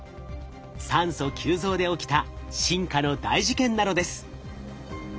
酸素急増で起きた進化の大事件なのです。